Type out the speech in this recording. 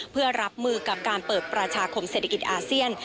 เพื่อรับมือกับการเปิดประชาคมเศรษฐกิจอาเซียน